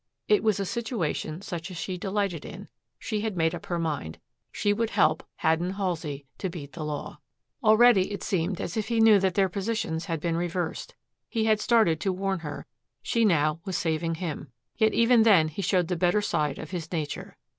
It was a situation such as she delighted in. She had made up her mind. She would help Haddon Halsey to beat the law. Already it seemed as if he knew that their positions had been reversed. He had started to warn her; she now was saving him. Yet even then he showed the better side of his nature.